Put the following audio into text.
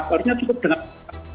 cover nya cukup dengan kata